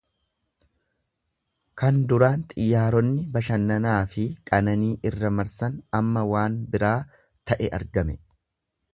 Kan duraan xiyyaaronni bashannanaa fi qanananii irra marsan amma waan biraa ta'e argame.